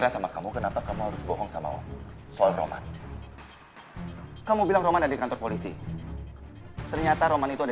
sampai jumpa di video selanjutnya